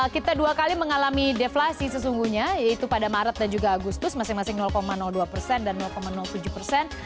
kita dua kali mengalami deflasi sesungguhnya yaitu pada maret dan juga agustus masing masing dua persen dan tujuh persen